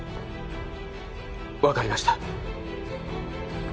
分かりました。